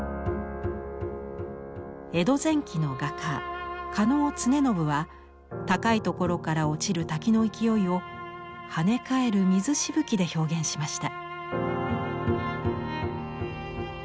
江戸前期の画家狩野常信は高い所から落ちる滝の勢いを跳ね返る水しぶきで表現しました。